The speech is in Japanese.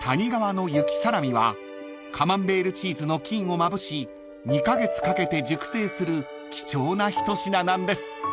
サラミはカマンベールチーズの菌をまぶし２カ月かけて熟成する貴重な一品なんです］